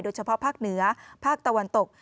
เฉพาะภาคเหนือภาคตะวันตก